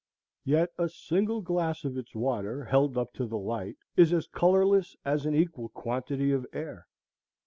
Yet a single glass of its water held up to the light is as colorless as an equal quantity of air.